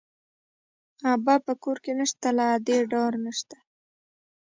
ابا په کور نه شته، له ادې ډار نه شته